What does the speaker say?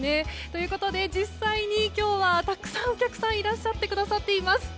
ということで実際に、今日はたくさんお客さんがいらっしゃってくださっています。